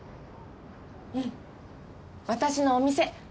うん私のお店！